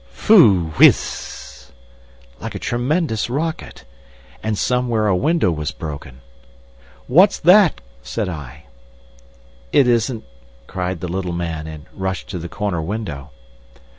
Phoo whizz! Like a tremendous rocket! And somewhere a window was broken.... "What's that?" said I. "It isn't—?" cried the little man, and rushed to the corner window.